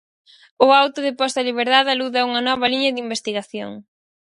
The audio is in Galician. O auto de posta en liberdade alude a unha nova liña de investigación.